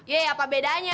ye apa bedanya